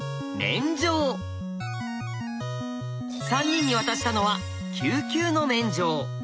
３人に渡したのは九級の免状。